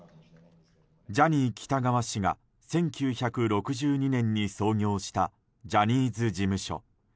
ジャニー喜多川氏が１９６２年に創業したジャニーズ事務所。